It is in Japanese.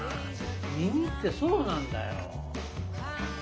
耳ってそうなんだよ。